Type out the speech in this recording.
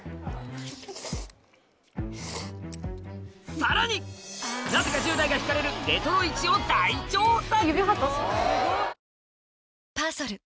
さらになぜか１０代が引かれるレトロ市を大調査！